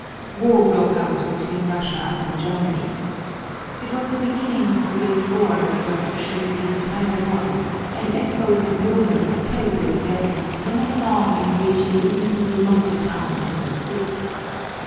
War broke out between Russian and Germany. It was the beginning of the great war that was to shake the entire world, and echoes and rumors of terrible events were not long in reaching even so remote a town as Irkutsk.